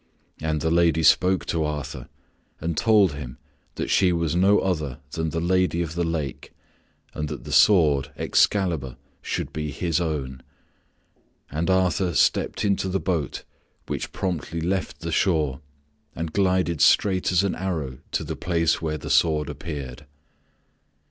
And the lady spoke to Arthur and told him that she was no other than the Lady of the Lake and that the sword, Excalibur, should be his own. And Arthur stepped into the boat, which promptly left the shore and glided straight as an arrow to the place where the sword appeared.